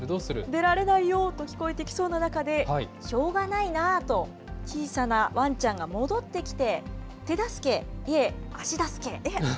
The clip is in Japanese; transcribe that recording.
出られないよと聞こえてきそうな中で、しょうがないなあと、小さなワンちゃんが戻ってきて手助け、いえ、足助け。